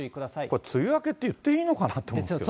これ、梅雨明けって言っていいのかなって。